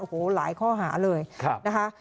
โอ้โหหลายข้อหาเลยนะคะ